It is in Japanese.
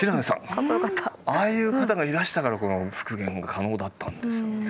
ああいう方がいらしたからこの復元が可能だったんですよね。